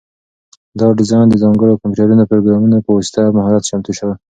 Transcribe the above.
دا ډیزاین د ځانګړو کمپیوټري پروګرامونو په واسطه په مهارت چمتو شوی.